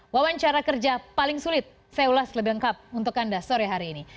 wawancara kerja paling sulit saya ulas lebih lengkap untuk anda sore hari ini